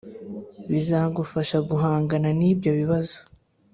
bizagufasha guhangana n’ibyo bibazo.